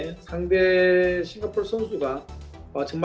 pada saat kita menang gol pertama